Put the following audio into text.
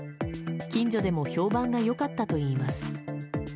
近所でも評判が良かったといいます。